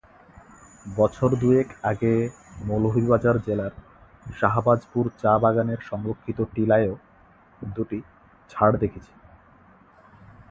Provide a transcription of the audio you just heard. বছর দুয়েক আগে মৌলভীবাজার জেলার শাহবাজপুর চা-বাগানের সংরক্ষিত টিলায়ও দুটি ঝাড় দেখেছি।